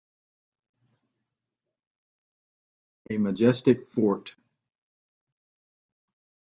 A majestic fort.